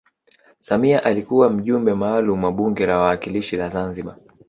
samia alikuwa mjumbe maalum wa bunge la wawakilishi la zanzibar